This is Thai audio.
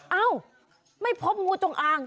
เอ้าไม่พบงูจงอาง